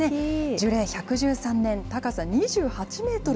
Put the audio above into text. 樹齢１１３年、高さ２８メートル。